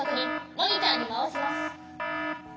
モニターにまわします。